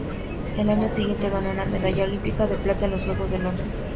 Al año siguiente ganó una medalla olímpica de plata en los Juegos de Londres.